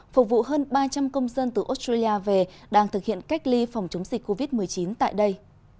phục vụ hơn ba trăm linh công dân từ australia về đang thực hiện cách ly phòng chống dịch covid một mươi chín tại đây